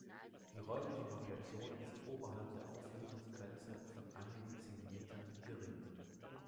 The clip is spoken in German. Die räumliche Variation ist oberhalb der Auflösungsgrenze von einigen zehn Metern gering.